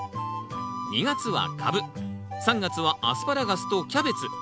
２月は「カブ」３月は「アスパラガス」と「キャベツ」。